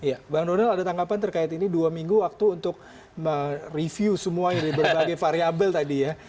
ya bang donald ada tanggapan terkait ini dua minggu waktu untuk mereview semuanya dari berbagai variable tadi ya